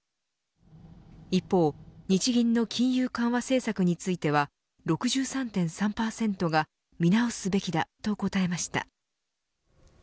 一方、日銀の金融緩和政策については６３．３％が見直すべきだと答えました。